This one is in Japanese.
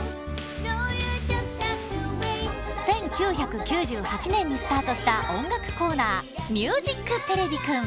１９９８年にスタートした音楽コーナー「ミュージックてれびくん」。